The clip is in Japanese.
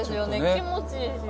気持ちいいしね。